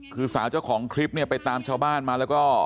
คือสาวเจ้าของคลิปเนี่ยไปตามชาวบ้านมาแล้วก็